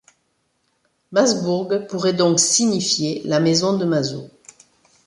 Masbourg pourrait donc signifier la maison de Maso.